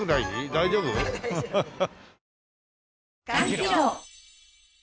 大丈夫？ハハハ。